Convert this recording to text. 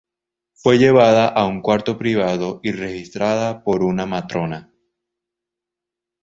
Fue llevada a un cuarto privado y registrada por una matrona.